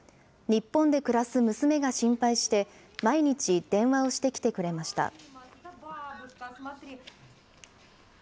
日本で暮らす娘が心配して毎日、電話をしてきてくれました。